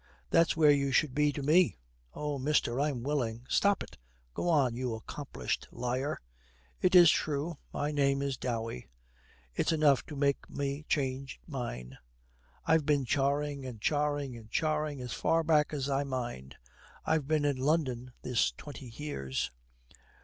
'That's where you should be to me.' 'Oh, mister, I'm willing.' 'Stop it. Go on, you accomplished liar.' 'It's true that my name is Dowey.' 'It's enough to make me change mine.' 'I've been charring and charring and charring as far back as I mind. I've been in London this twenty years.'